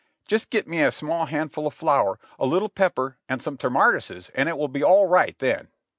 "Jest get me a small handful of flour, a little pepper and some termartusses and it will be all right then."